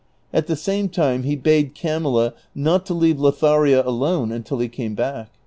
At the same time he i)ade Camilla not to leave Lotliario alone until he came back.